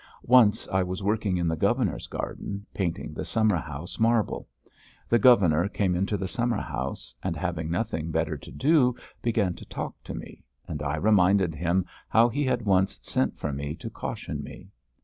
Once I was working in the governor's garden, painting the summer house marble. The governor came into the summer house, and having nothing better to do, began to talk to me, and I reminded him how he had once sent for me to caution me.